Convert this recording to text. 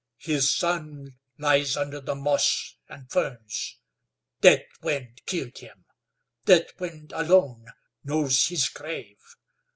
His son lies under the moss and ferns; Deathwind killed him; Deathwind alone knows his grave.